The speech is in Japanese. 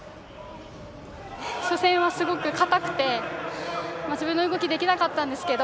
初戦はすごく硬くて、自分の動きできなかったんですけど